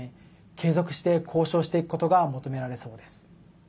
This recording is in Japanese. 継続して交渉していくことが求められそうです。